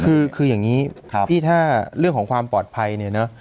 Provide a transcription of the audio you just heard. คืออย่างนี้พี่ถ้าเรื่องของความปลอดภัยเนี่ยเนอะ